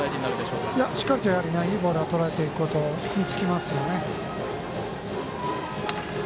しっかりといいボールをとらえていくことに尽きますよね。